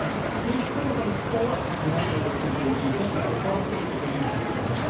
一方の日本は２６２．５％という状況です。